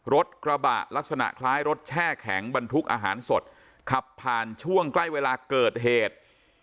รถกระบะลักษณะคล้ายรถแช่แข็งบรรทุกอาหารสดขับผ่านช่วงใกล้เวลาเกิดเหตุ